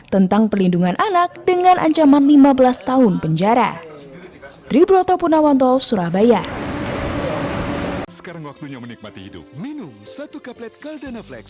tentang pelindungan anak dengan ancaman lima belas tahun penjara